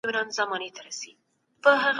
ډیپلوماټیک ناستي باید ګټورې وي.